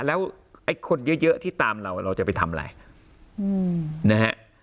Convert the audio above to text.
แล้วไอ้คนเยอะที่ตามเราเราจะไปทำอะไรนะฮะ